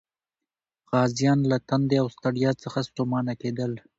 غازیان له تندې او ستړیا څخه ستومانه کېدل.